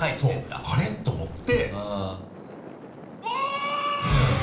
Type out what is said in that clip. そう「あれ？」と思って。